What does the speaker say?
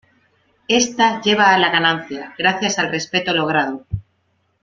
Ésta lleva a la ganancia, gracias al respeto logrado.